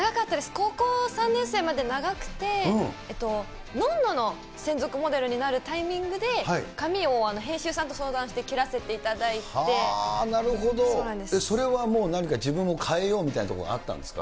高校３年生まで長くて、ノンノの専属モデルになるタイミングで、髪を編集さんと相談して、なるほど、それはもう何か自分を変えようみたいなところあったんですか？